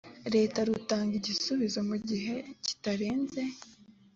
leta rutanga igisubizo mu gihe kitarenze